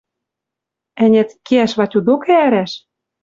Ӓнят, кеӓш Ватю докы ӓрӓш?